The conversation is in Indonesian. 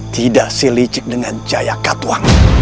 tidak selicik dengan jaya katuang